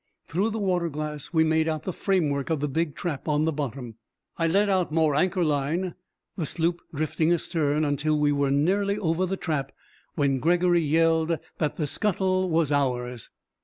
Through the water glass we made out the framework of the big trap on the bottom. I let out more anchor line, the sloop drifting astern until we were nearly over the trap, when Gregory yelled that the scuttle was ours.